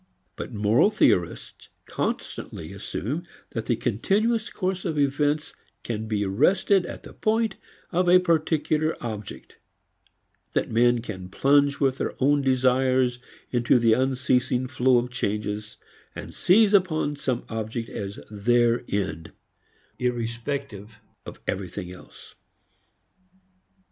But moral theorists constantly assume that the continuous course of events can be arrested at the point of a particular object; that men can plunge with their own desires into the unceasing flow of changes, and seize upon some object as their end irrespective of everything else.